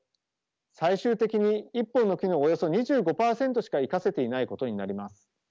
最終的に１本の木のおよそ２５％しか生かせていないことになります。